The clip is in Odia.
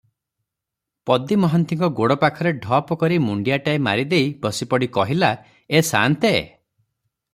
ପଦୀ ମହାନ୍ତିଙ୍କ ଗୋଡ଼ ପାଖରେ ଢପକରି ମୁଣ୍ଡିଆଟାଏ ମାରିଦେଇ ବସିପଡ଼ି କହିଲା, "ଏ ସାନ୍ତେ!